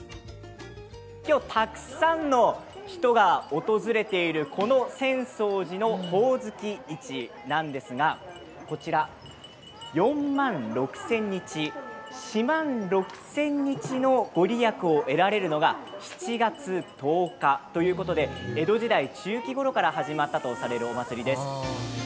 今日、たくさんの人が訪れているこの浅草寺のほおずき市なんですがこちら、四万六千日しまんろくせんにちの御利益を得られるのが７月１０日ということで江戸時代中期ごろから始まったとされるお祭りです。